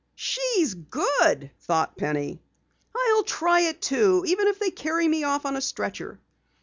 "She's good!" thought Penny. "I'll try it, too, even if they carry me off on a stretcher!"